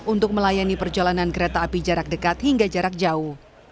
untuk melayani perjalanan kereta api jarak dekat hingga jarak jauh